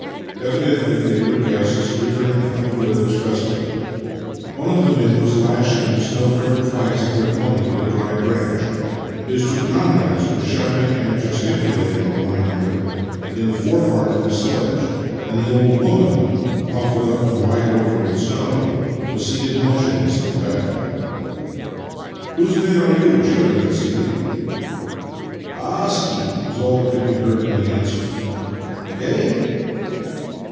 Evidently they were guests returning from the village festival. One of the men was lashing the snow covered flanks of their pony with a dry branch, his two comrades were shouting and gesticulating at one another in the forepart of the sledge, and the old woman — muffled up and white over with snow — was seated motionless at the back. " Whose men are you? " shouted Vassili. " A a a skie !" was all that could be heard in answer. "Eh?"